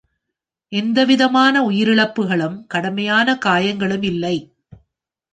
எந்தவிதமான உயிரிழப்புகளும் கடுமையான காயங்களும் இல்லை.